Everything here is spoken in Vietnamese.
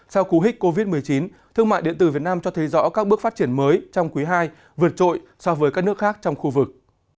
sau cú hích covid một mươi chín thương mại điện tử việt nam cho thấy rõ các bước phát triển mới trong quý ii vượt trội so với các nước khác trong khu vực